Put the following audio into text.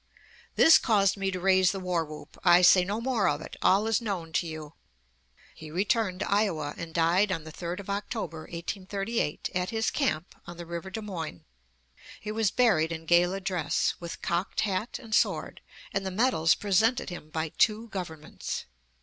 This caused me to raise the war whoop. I say no more of it; all is known to you." He returned to Iowa, and died on the 3d of October, 1838, at his camp on the river Des Moines. He was buried in gala dress, with cocked hat and sword, and the medals presented him by two governments.